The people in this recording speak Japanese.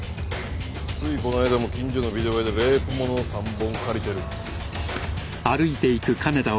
ついこないだも近所のビデオ屋でレイプものを３本借りてる。